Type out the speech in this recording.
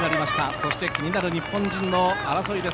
そして気になる日本人の争いです。